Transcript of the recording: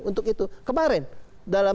untuk itu kemarin dalam